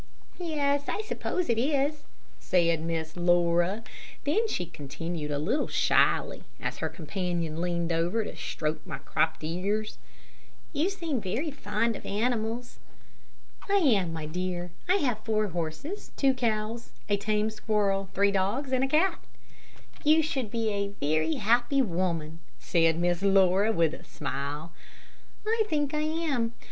"Yes, I suppose it is," said Miss Laura. Then she continued a little shyly, as her companion leaned over to stroke my cropped ears "You seem very fond of animals." "I am, my dear. I have four horses, two cows, a tame squirrel, three dogs, and a cat." "You should be a happy woman," said Miss Laura, with a smile. "I think I am.